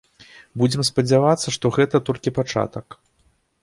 Будзем спадзявацца, што гэта толькі пачатак.